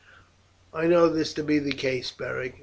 "I know this to be the case, Beric.